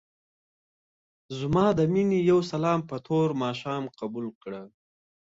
ځما دې مينې يو سلام په تور ماښام قبول کړه.